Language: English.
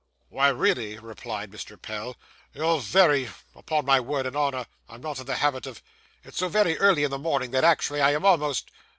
'Why, really,' replied Mr. Pell, 'you're very . Upon my word and honour, I'm not in the habit of . It's so very early in the morning, that, actually, I am almost